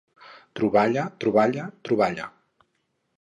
Troballa, troballa, troballa...